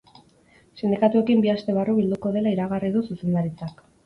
Sindikatuekin bi aste barru bilduko dela iragarri du zuzendaritzak.